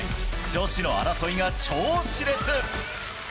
女子の争いが超しれつ。